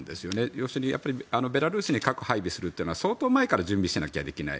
要するにベラルーシに核を配備するというのは相当前から準備していないとできない。